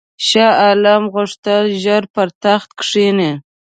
شاه عالم غوښتل ژر پر تخت کښېني.